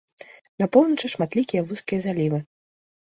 На поўначы шматлікія вузкія залівы.